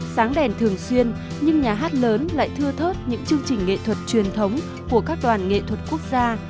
sáng đèn thường xuyên nhưng nhà hát lớn lại thưa thớt những chương trình nghệ thuật truyền thống của các đoàn nghệ thuật quốc gia